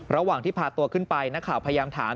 ระหว่างที่พาตัวขึ้นไปนักข่าวพยายามถาม